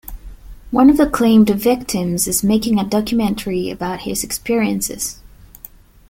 One of the claimed victims is making a documentary about his experiences.